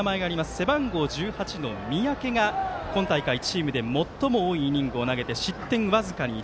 背番号１８の三宅が今大会、チームで最も多いイニングを投げて失点僅かに１。